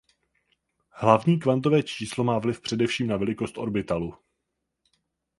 Hlavní kvantové číslo má vliv především na velikost orbitalu.